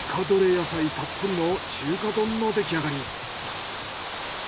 野菜たっぷりの中華丼の出来上がり。